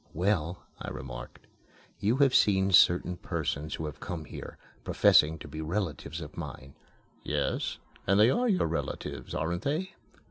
"Well," I remarked, "you have seen certain persons who have come here, professing to be relatives of mine." "Yes, and they are your relatives, aren't they?"